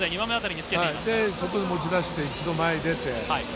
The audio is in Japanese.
先ほど持ち出して一度前に出て。